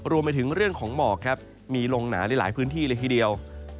รวมไปถึงเรื่องของหมอกมีลงหนาหลายพื้นที่ทีเดียว